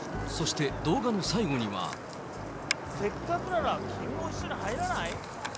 せっかくなら、君も一緒に入らない？